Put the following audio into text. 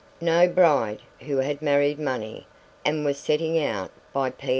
No bride who had married money, and was setting out by P.